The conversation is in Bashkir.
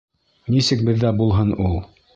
Нисек беҙҙә булһын ул?